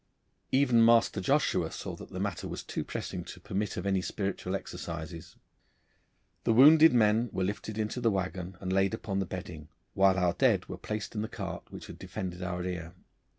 Even Master Joshua saw that the matter was too pressing to permit of any spiritual exercises. The wounded men were lifted into the waggon and laid upon the bedding, while our dead were placed in the cart which had defended our rear.